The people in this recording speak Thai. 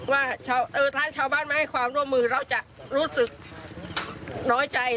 ว่าถ้าชาวบ้านไม่ให้ความร่วมมือเราจะรู้สึกน้อยใจ